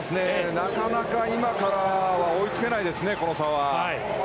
なかなか今からは追いつけないです、この差は。